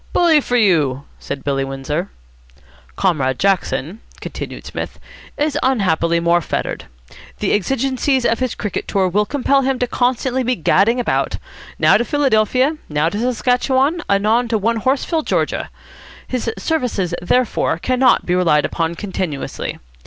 "Bully for you," said Billy Windsor. "Comrade Jackson," continued Psmith, "is unhappily more fettered. The exigencies of his cricket tour will compel him constantly to be gadding about, now to Philadelphia, now to Saskatchewan, anon to Onehorseville, Ga. His services, therefore, cannot be relied upon continuously.